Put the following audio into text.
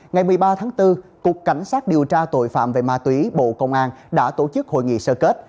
ngày một mươi ba tháng bốn cục cảnh sát điều tra tội phạm về ma túy bộ công an đã tổ chức hội nghị sơ kết